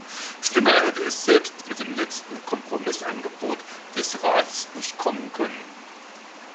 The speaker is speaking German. Schlimmer hätte es selbst mit dem letzten Kompromissangebot des Rates nicht kommen können.